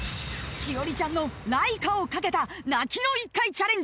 ［栞里ちゃんのライカを懸けた泣きの１回チャレンジ］